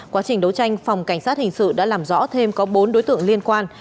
quá trình đấu tranh phòng cảnh sát hình sự đã làm rõ thêm có bốn đối tượng liên quan